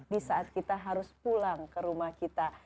di saat kita harus pulang ke rumah kita